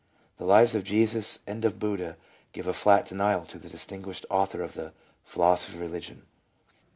The lives of Jesus and of Buddha give a flat denial to the distinguished author of the "Philosophy of Eeligion."